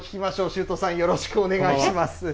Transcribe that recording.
周東さん、よろしくお願いします。